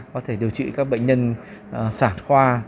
có thể điều trị các bệnh nhân sản khoa